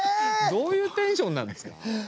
どういうテンションなんですか。